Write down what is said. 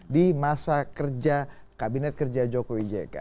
di masa kerja kabinet kerja jokowi jk